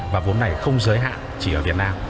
và vốn này không giới hạn chỉ ở việt nam